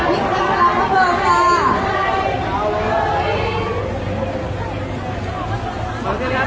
อ๋อแต่ได้ทดเลี้ยงคนไอ้พูดว่าสงบเหมือนกับเหล่านั้น